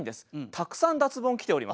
たくさん脱ボン来ております。